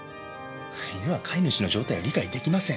犬は飼い主の状態を理解出来ません。